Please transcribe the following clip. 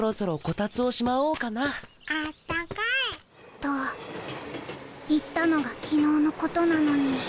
と言ったのが昨日のことなのに。